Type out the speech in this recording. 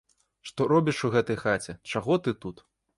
Што робіш у гэтай хаце, чаго ты тут?